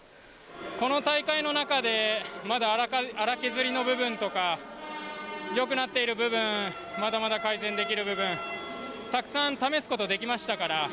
この大会の中でまだ粗削りの部分とかよくなっている部分まだまだ改善できる部分たくさん試すことできましたから。